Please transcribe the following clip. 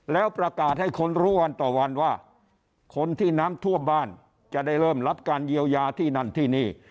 แล้วประกาศให้คนรู้วันต่อวันว่าคนที่น้ำท่วมบ้านจะได้เริ่มรับการเยียวยาที่นั่นที่นี่